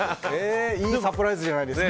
いいサプライズじゃないですか。